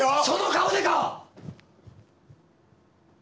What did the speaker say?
その顔でか？